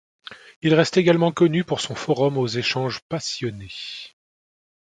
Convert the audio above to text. Il reste également connu pour son forum aux échanges passionnés.